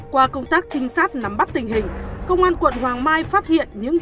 qua công tác trinh sát nắm bắt tình hình công an quận hoàng mai phát hiện những